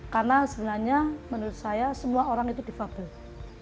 karena sebenarnya menurut saya semua orang itu disabilitas